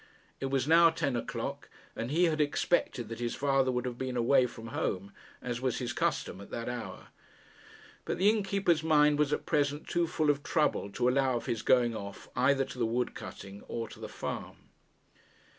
It was now ten o'clock, and he had expected that his father would have been away from home, as was his custom at that hour. But the innkeeper's mind was at present too full of trouble to allow of his going off either to the woodcutting or to the farm.